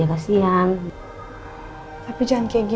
tak ada yang menyebutkan kamu